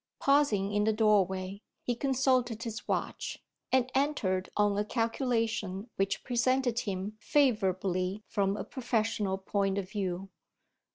Pausing in the doorway, he consulted his watch, and entered on a calculation which presented him favourably from a professional point of view.